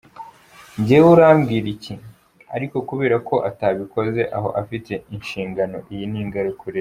Njyewe urambwira iki? Ariko kubera ko atabikoze aho afite inshingano, iyi ni ingaruka ureba.